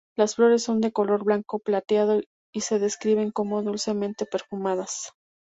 Las flores son de color blanco plateado y se describen como dulcemente perfumadas.